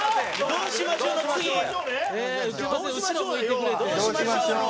どうしましょう？